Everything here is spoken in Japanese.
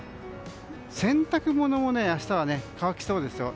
洗濯物も明日は乾きそうですよ。